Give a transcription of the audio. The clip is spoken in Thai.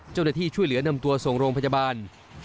เจ้าหน้าที่ช่วยเหลือนำตัวส่งโรงพยาบาล